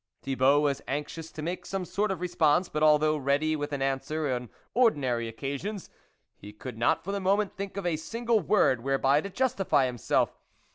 Thibault was anxious to make some sort of response, but, although ready with an answer on ordinary occasions, he could not for the moment think of a single word whereby to justify himself.